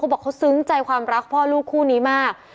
บอกเขาซึ้งใจความรักพ่อลูกคู่นี้มาก